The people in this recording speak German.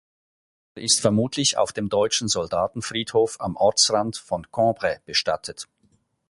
Er ist vermutlich auf dem deutschen Soldatenfriedhof am Ortsrand von Cambrai bestattet.